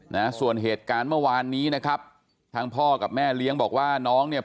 นะฮะส่วนเหตุการณ์เมื่อวานนี้นะครับทางพ่อกับแม่เลี้ยงบอกว่าน้องเนี่ย